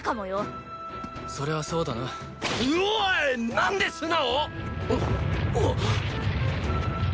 なんで素直！？